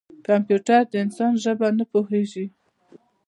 کمپیوټر د انسان ژبه نه پوهېږي.